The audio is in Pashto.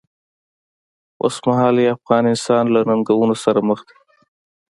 اوسمهالی افغان انسان له ننګونو سره مخ دی.